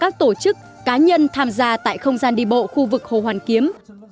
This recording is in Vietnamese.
các tổ chức cá nhân tham gia tại không gian đi bộ khu vực hồ hoàn kiếm